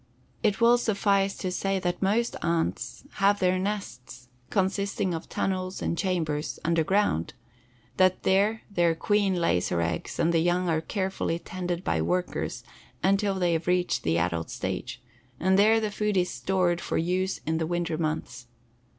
It will suffice to say that most ants have their nests, consisting of tunnels and chambers, underground; that there their queen lays her eggs and the young are carefully tended by workers until they have reached the adult stage, and there the food is stored for use in the winter months.